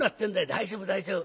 「大丈夫大丈夫。